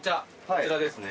こちらですね。